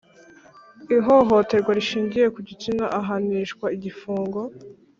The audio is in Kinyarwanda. ihohoterwa rishingiye ku gitsina ahanishwa igifungo